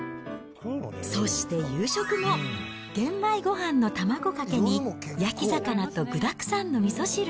そして夕食も玄米ごはんの卵かけに、焼き魚と具だくさんのみそ汁。